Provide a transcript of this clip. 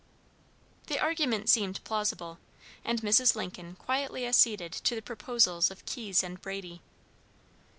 The argument seemed plausible, and Mrs. Lincoln quietly acceded to the proposals of Keyes and Brady.